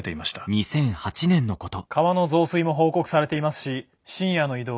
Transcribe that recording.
「川の増水も報告されていますし深夜の移動はとても危険です。